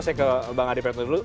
saya ke bang adi pretno dulu